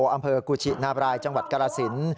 อำเภอกุชินาบรายจังหวัดกรสิน